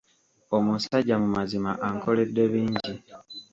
Omusajja mu mazima ankoledde bingi.